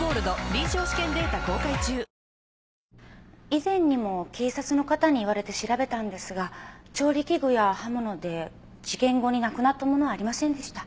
以前にも警察の方に言われて調べたんですが調理器具や刃物で事件後になくなったものはありませんでした。